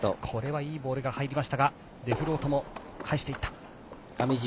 いいボールが入りましたがデフロートも返していった。